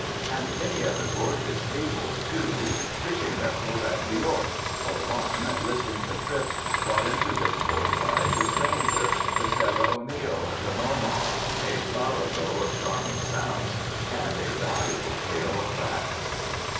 And many other gorgeous tables, too. "Fishing vessels at New York," for one, listing the "trips" brought into this port by the Stranger, the Sarah O'Neal, the Nourmahal, a farrago of charming sounds, and a valuable tale of facts.